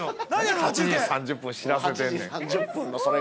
◆８時３０分知らせてんねん。